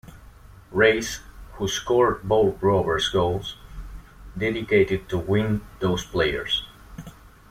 Race, who scored both Rovers goals, dedicated the win to those players.